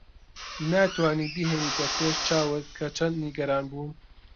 ناتوانیت بیهێنیتە پێش چاوت کە چەند نیگەران بووم.